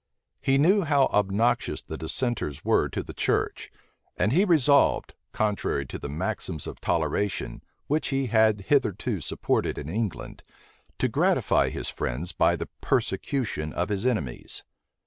He knew how obnoxious the dissenters were to the church; and he resolved, contrary to the maxims of toleration, which he had hitherto supported in England, to gratify his friends by the persecution of his enemies.